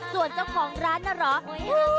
ส่วนเจ้าของร้านน่ะเหรอ